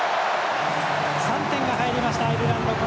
３点が入りました、アイルランド。